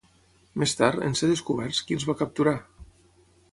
Més tard, en ser descoberts, qui els va capturar?